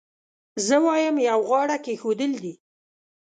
زه وایم یو غاړه کېښودل دي.